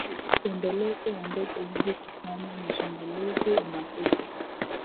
wendelezo wa ndege hizi kufanya mashambulizi unakuja